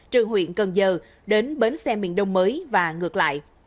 từ huyện cần giờ đến bến xe miền đông mới và ngược lại